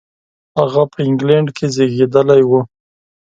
هغه په انګلېنډ کې زېږېدلی و.